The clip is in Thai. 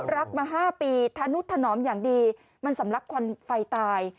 รักมาห้าปีทานุสถนอมอย่างดีมันสำหรักควันไฟตาย